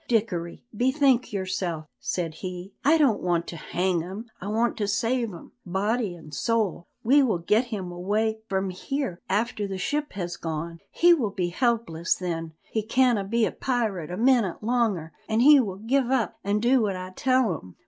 "Dickory, bethink yoursel'," said he. "I don't want to hang him, I want to save him, body an' soul. We will get him awa' from here after the ship has gone, he will be helpless then, he canna be a pirate a minute longer, an' he will give up an' do what I tell him.